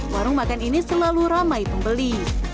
warung makan ini selalu ramai pembeli